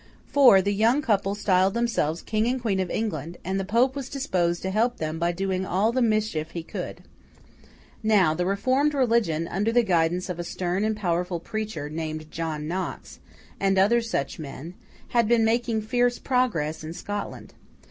For, the young couple styled themselves King and Queen of England, and the Pope was disposed to help them by doing all the mischief he could. Now, the reformed religion, under the guidance of a stern and powerful preacher, named John Knox, and other such men, had been making fierce progress in Scotland.